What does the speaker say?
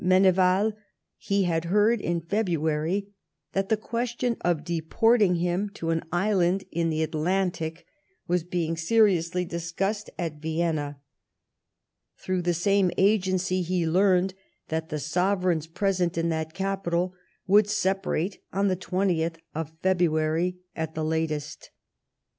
Menevi.l, he had heard in February that the question of deporting him to an island in the Atlantic was being seriously discussed at Vienna. Through the same agency he learned that the sovereigns present in that capital would separate on the 20th of February at the latest.